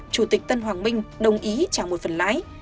chủ tịch tân hoàng minh đồng ý trả một phần lái